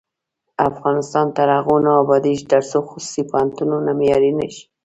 افغانستان تر هغو نه ابادیږي، ترڅو خصوصي پوهنتونونه معیاري نشي.